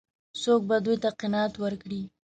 څوک به دوی ته قناعت ورکړي؟